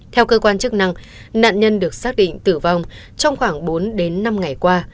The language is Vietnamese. theo cơ quan chức năng nạn nhân được xác định tử vong trong khoảng bốn đến năm ngày qua